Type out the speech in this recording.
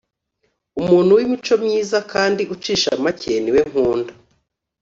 Umuntu wimico myiza kandi ucisha make niwe nkunda